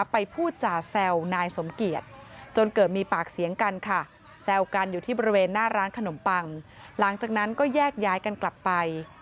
ไปพูดจากแซวนายสมเกียจจะเกิดมีปากเสียงกันค่ะ